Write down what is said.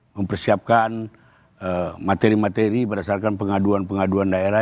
mempersiapkan materi materi berdasarkan pengaduan pengaduan daerah